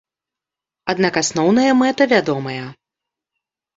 Аднак асноўная мэта вядомая!